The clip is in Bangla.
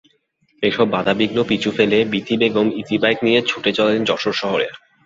এসব বাধাবিঘ্ন পিছু ফেলে বীথি বেগম ইজিবাইক নিয়ে ছুটে চলেন যশোর শহরে।